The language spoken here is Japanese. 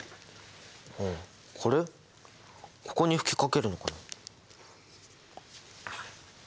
ここに吹きかけるのかな？